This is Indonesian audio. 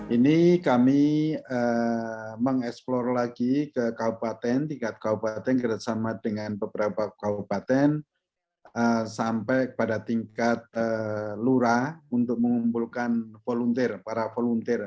ini kami mengeksplor lagi ke kabupaten tingkat kabupaten kerjasama dengan beberapa kabupaten sampai pada tingkat lurah untuk mengumpulkan volunteer para volunteer